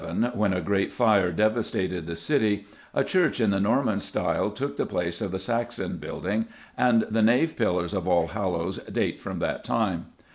] In 1087, when a great fire devastated the city, a church in the Norman style took the place of the Saxon building, and the nave pillars of Allhallows date from that time.